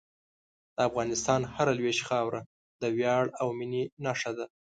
د افغانستان هره لویشت خاوره د ویاړ او مینې نښه ده.